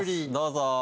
どうぞ！